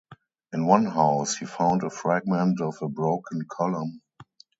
In one house he found a fragment of a broken column.